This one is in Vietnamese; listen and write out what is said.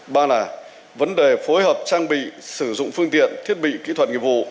ba là vấn đề phối hợp trang bị sử dụng phương tiện thiết bị kỹ thuật nghiệp vụ